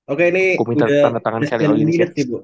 oke ini udah sepuluh dan satu minit sih bu